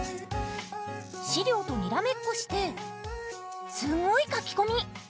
資料とにらめっこしてすごい書き込み！